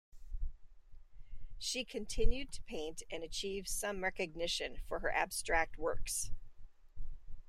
She continued to paint and achieved some recognition for her abstract works.